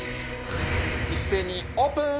一斉にオープン！